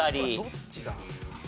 どっちだ？